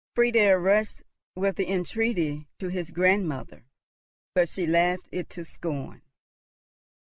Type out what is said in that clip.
Friedel rushed with the entreaty to his grandmother, but she laughed it to scorn.